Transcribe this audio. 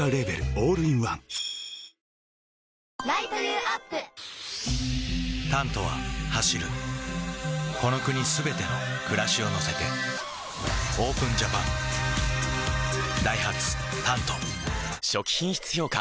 オールインワン「タント」は走るこの国すべての暮らしを乗せてＯＰＥＮＪＡＰＡＮダイハツ「タント」初期品質評価